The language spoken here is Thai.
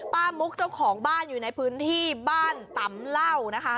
มุกเจ้าของบ้านอยู่ในพื้นที่บ้านตำเหล้านะคะ